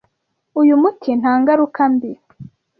Uyu muti nta ngaruka mbi.